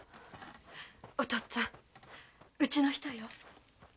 お父っつぁんうちの人よ。